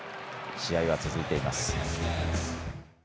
試合は続いています。